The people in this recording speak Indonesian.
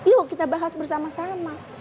yuk kita bahas bersama sama